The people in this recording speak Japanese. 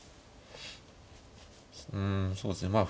うんそうですねまあ